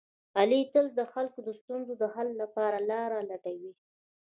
علي تل د خلکو د ستونزو د حل لپاره لاره لټوي.